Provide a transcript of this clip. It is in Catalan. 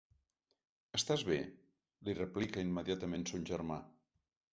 “Estàs bé?” li replica immediatament son germà.